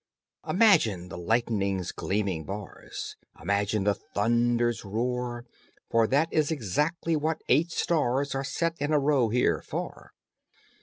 Imagine the lightning's gleaming bars, Imagine the thunder's roar, For that is exactly what eight stars Are set in a row here for!